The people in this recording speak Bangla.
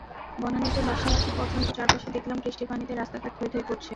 বনানীতে বাসায় আসা পর্যন্ত চারপাশে দেখলাম বৃষ্টির পানিতে রাস্তাঘাট থইথই করছে।